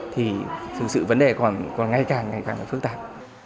thì thực sự vấn đề còn ngay càng ngày càng phức tạp